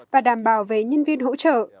và đảm bảo với nhân viên hỗ trợ